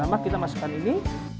nah kita masukkan ini